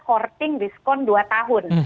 korting diskon dua tahun